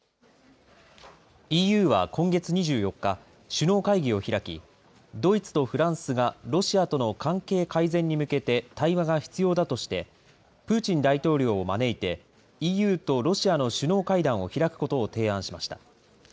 ＥＵは今月２４日、首脳会議を開き、ドイツとフランスがロシアとの関係改善に向けて対話が必要だとして、プーチン大統領を招いて、ＥＵとロシアの首脳会談を開くことを提案しました。